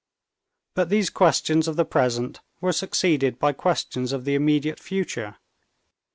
But these questions of the present were succeeded by questions of the immediate future.